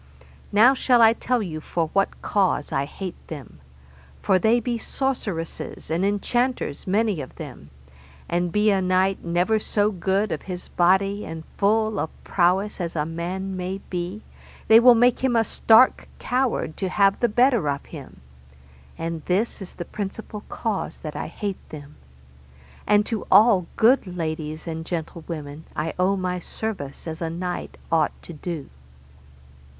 Now shall I tell you for what cause I hate them: for they be sorceresses and enchanters many of them, and be a knight never so good of his body and full of prowess as man may be, they will make him a stark coward to have the better of him, and this is the principal cause that I hate them; and to all good ladies and gentlewomen I owe my service as a knight ought to do.